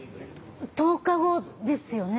１０日後ですよね？